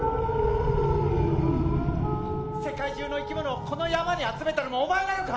世界中のいきものをこの山に集めたのもお前なのか？